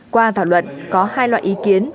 qua thảo luận có hai loại ý kiến